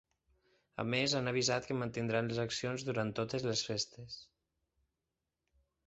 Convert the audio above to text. A més, han avisat que mantindran les accions durant totes les festes.